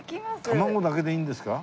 卵だけでいいんですか？